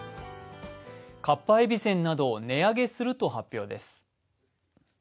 かっぱえびせんなどを値上げすると発表です。